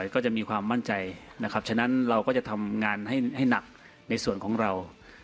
ก็จะมีความมั่นใจนะครับฉะนั้นเราก็จะทำงานให้หนักในส่วนของเรา